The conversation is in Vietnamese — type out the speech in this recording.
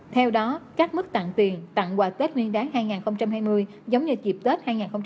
theo đó các mức tặng tiền tặng quà tết nguyên đáng hai nghìn hai mươi giống như dịp tết hai nghìn hai mươi